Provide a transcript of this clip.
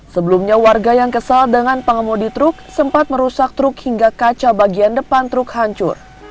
sebelumnya warga yang kesal dengan pengemudi truk sempat merusak truk hingga kaca bagian depan truk hancur